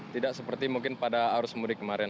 tidak seperti mungkin pada arus mudik kemarin